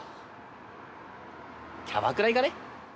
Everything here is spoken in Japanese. キャバクラ行かね？